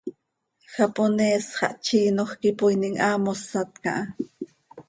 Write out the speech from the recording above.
Japonees xah tziinoj quih ipooinim, haa mosat caha.